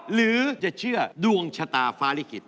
หรือจะเชื่อดวงชะตาฟ้าลิขิต